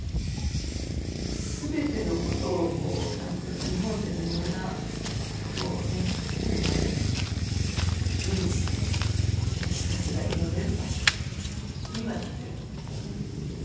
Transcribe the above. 全てのことをこう何ていうの日本でのいろんなことをねもう無にしてひたすら祈れる場所にはなってると思いますね。